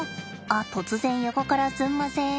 あっ突然横からすんません。